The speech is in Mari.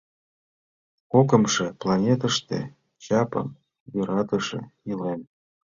Кокымшо планетыште чапым йӧратыше илен.